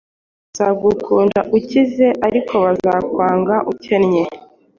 Bazagukunda ukize arko bazakwanga ukennye